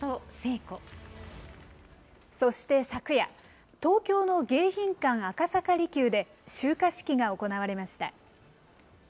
そして昨夜、東京の迎賓館赤坂離宮で集火式が行われました。